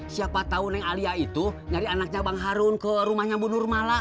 siapa tau neng alia itu nyari anaknya bang harun ke rumahnya bunur mala